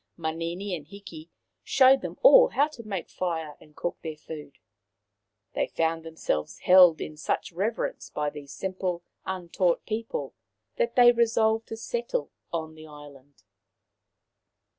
Manini and Hiki showed them all how to make fire and cook their food. They found themselves held in such reverence by these simple, untaught people that they resolved to settle on the island.